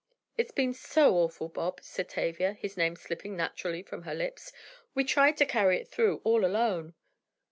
"It's been so awful, Bob," said Tavia, his name slipping naturally from her lips. "We tried to carry it through all alone!"